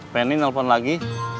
pengen nih nelfon lagi